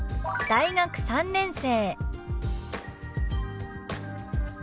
「大学３年生」。